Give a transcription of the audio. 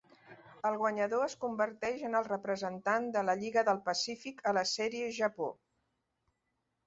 El guanyador es converteix en el representant de la Lliga del Pacífic a la Sèrie Japó.